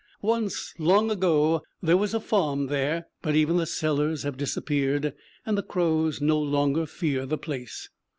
Once, long ago, there was a farm there; but even the cellars have disappeared, and the crows no longer fear the place.